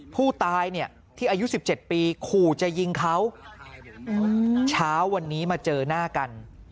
ผู้ตายเนี่ยที่อายุ๑๗ปีขู่จะยิงเขาเช้าวันนี้มาเจอหน้ากัน